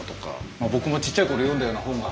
僕もちっちゃい頃読んだような本が。